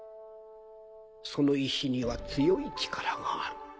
その石には強い力がある。